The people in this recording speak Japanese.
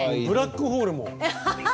「ブラックホール」も。